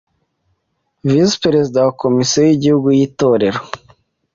Visi Perezide we Komisiyo y’Igihugu y’Itorero,